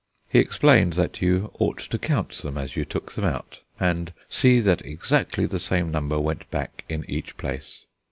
He explained that you ought to count them as you took them out, and see that exactly the same number went back in each place.